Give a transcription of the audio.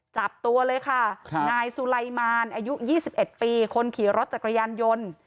จับตัวเลยค่ะนายสุไลมารอายุ๒๑ปีคนขี่รถจักรยานยนต์